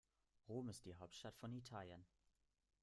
Rom ist die Hauptstadt von Italien.